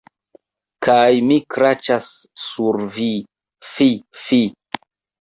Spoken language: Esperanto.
Kaj mi kraĉas sur vin, fi, fi.